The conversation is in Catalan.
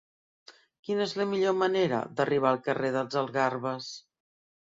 Quina és la millor manera d'arribar al carrer dels Algarves?